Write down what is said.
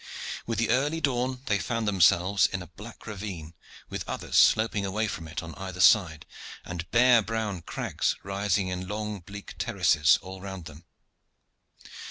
With the early dawn they found themselves in a black ravine, with others sloping away from it on either side, and the bare brown crags rising in long bleak terraces all round them.